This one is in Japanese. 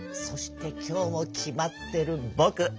そして今日も決まってるぼく。